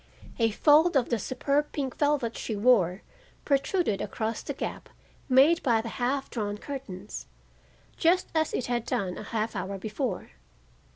A fold of the superb pink velvet she wore protruded across the gap made by the half drawn curtains, just as it had done a half hour before.